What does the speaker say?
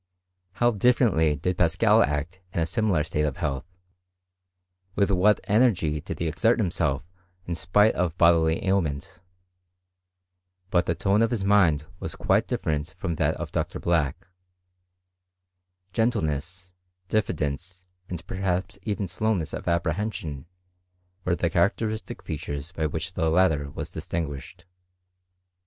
How differently did Paschal act in a similar state of health ! With what energy did he exert himself in spite of bodily ailment! But the tone of his mind was quite different from that of Dr. Black.' Gentleness, dijffidence, and perhaps even slowness of apprehension, were the characteristic features by which the latter was distinguished.